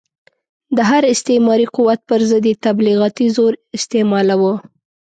د هر استعماري قوت پر ضد یې تبلیغاتي زور استعمالاوه.